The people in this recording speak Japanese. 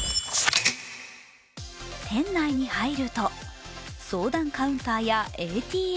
店内に入ると、相談カウンターやＡＴＭ。